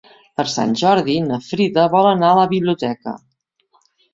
Per Sant Jordi na Frida vol anar a la biblioteca.